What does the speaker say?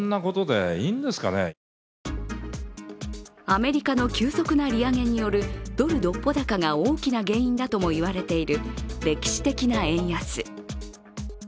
アメリカの急速な利上げによるドル独歩高が大きな原因だとも言われている歴史的な円安。